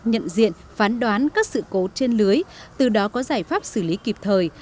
nhận diện phán đoán các sự cố trên lưới từ đó có giải pháp xử lý kịp thời